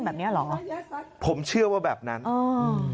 แบบเนี้ยเหรอผมเชื่อว่าแบบนั้นอ๋อ